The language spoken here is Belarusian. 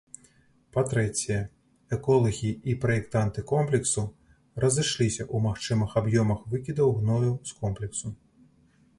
Па-трэцяе, эколагі і праектанты комплексу разышліся ў магчымых аб'ёмах выкідаў гною з комплексу.